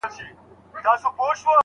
خپلي دوې ګوتي ئې سره وصل کړلې.